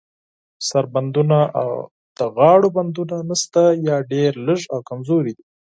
سر بندونه او د غاړو بندونه نشته، یا ډیر لږ او کمزوري دي.